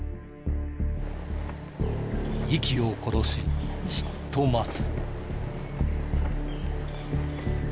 息を殺しじっと待つ。